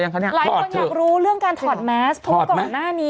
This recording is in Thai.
อยากรู้เรื่องการถอดได้ไหม